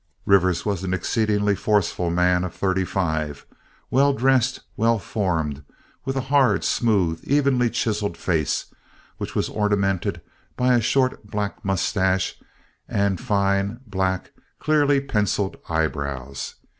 Rivers was an exceedingly forceful man of thirty five, well dressed, well formed, with a hard, smooth, evenly chiseled face, which was ornamented by a short, black mustache and fine, black, clearly penciled eyebrows.